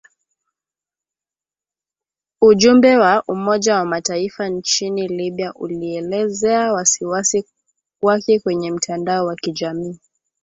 Ujumbe wa Umoja wa Mataifa nchini Libya ulielezea wasiwasi wake kwenye mtandao wa kijamii